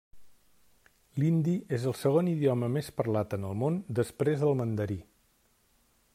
L'hindi és el segon idioma més parlat en el món, després del mandarí.